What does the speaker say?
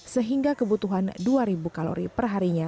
sehingga kebutuhan dua ribu kalori perharinya